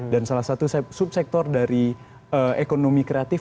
dan salah satu subsektor dari ekonomi kreatif